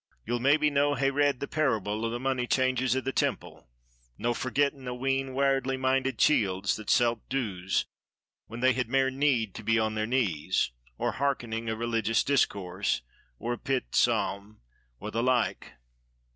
"Ye'll may be no hae read the paurable o' the money changers i' the temple, no forgettin' a wheen warldly minded chields that sell't doos, when they had mair need to be on their knees or hearkening a religious discourse or a bit psaum or the like.